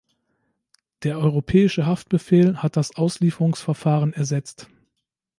Der Europäische Haftbefehl hat das Auslieferungsverfahren ersetzt.